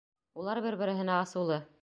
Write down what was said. Улар бер-береһенә асыулы.